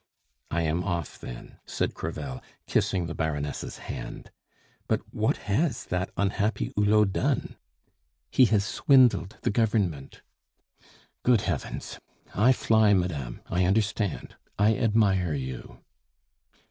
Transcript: "I am off, then," said Crevel, kissing the Baroness' hand. "But what has that unhappy Hulot done?" "He has swindled the Government." "Good Heavens! I fly, madame; I understand, I admire you!"